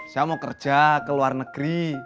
saya mau kerja ke luar negeri